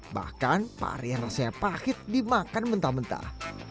bahkan pari yang rasanya pahit dimakan mentah mentah